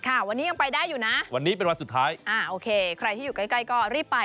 วันนี้ยังไปได้อยู่นะวันนี้เป็นวันสุดท้ายอ่าโอเคใครที่อยู่ใกล้ใกล้ก็รีบไป